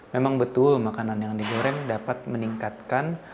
memang betul makanan yang digoreng dapat meningkatkan